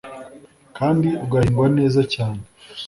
kandi ugahingwa neza cyane